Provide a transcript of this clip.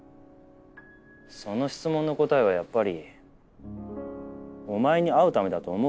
その質問の答えはやっぱり「お前に会うため」だと思うから。